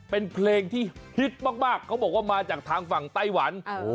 เป็นเพลงที่ฮิตมากเขาบอกว่ามาจากทางฝั่งไต้หวัน